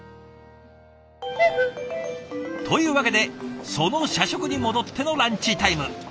というわけでその社食に戻ってのランチタイム。